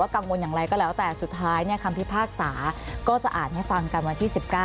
กังวลอย่างไรก็แล้วแต่สุดท้ายคำพิพากษาก็จะอ่านให้ฟังกันวันที่๑๙